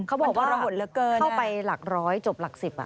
เขาบอกว่าเข้าไปหลัก๑๐๐จบหลัก๑๐อะ